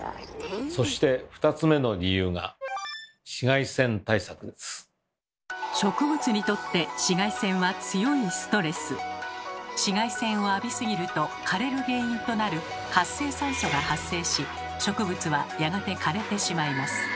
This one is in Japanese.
そして２つ目の理由が植物にとって紫外線を浴びすぎると枯れる原因となる「活性酸素」が発生し植物はやがて枯れてしまいます。